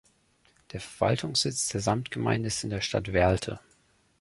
Der Verwaltungssitz der Samtgemeinde ist in der Stadt Werlte.